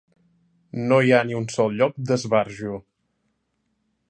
No hi ha ni un sol lloc d'esbarjo.